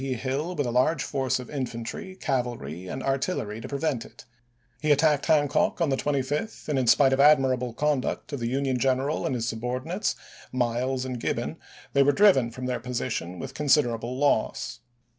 P. Hill with a large force of infantry, cav alry, and artillery to prevent it. He attacked Han Aug., 1864. cock on the 25th, and in spite of admirable conduct of the Union general and his subordinates, Miles and Gibbon, they were driven from their position with considerable loss.